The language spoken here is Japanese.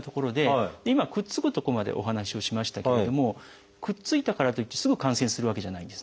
今くっつくとこまでお話をしましたけれどもくっついたからといってすぐ感染するわけじゃないんですね。